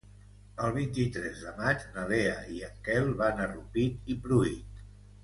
El vint-i-tres de maig na Lea i en Quel van a Rupit i Pruit.